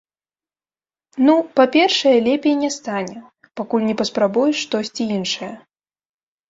Ну, па-першае, лепей не стане, пакуль не паспрабуеш штосьці іншае.